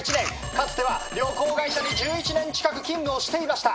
かつては旅行会社に１１年近く勤務をしていました。